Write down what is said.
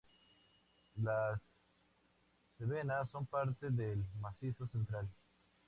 Las Cevenas son parte del Macizo Central.